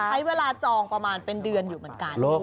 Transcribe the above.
ใช้เวลาจองประมาณเป็นเดือนอยู่เหมือนกัน